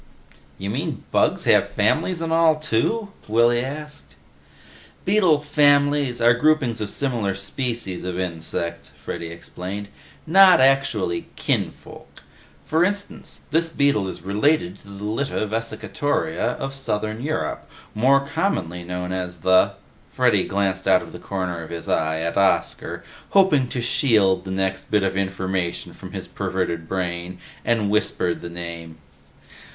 "You mean bugs have families and all, too?" Willy asked. "Beetle 'families' are groupings of similar species of insects," Freddy explained. "Not actually kinfolk. For instance, this beetle is related to the Lytta vesicatoria of southern Europe, more commonly known as the " Freddy glanced out of the corner of his eye at Oscar, hoping to shield the next bit of information from his perverted brain, and whispered the name.